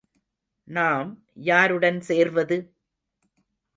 நாம் யாருடன் சேர்வது?